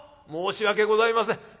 「申し訳ございません。